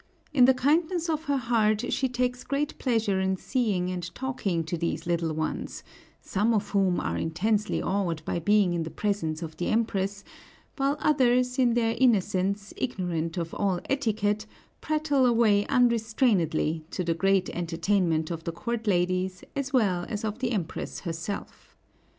In the kindness of her heart, she takes great pleasure in seeing and talking to these little ones, some of whom are intensely awed by being in the presence of the Empress, while others, in their innocence, ignorant of all etiquette, prattle away unrestrainedly, to the great entertainment of the court ladies as well as of the Empress herself.